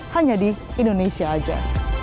hanya di indonesia saja